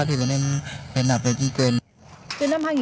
thì bọn em lại nạp lên chính quyền